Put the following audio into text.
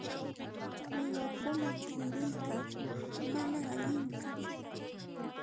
Uywakuna k'iriyqa manan allinchu.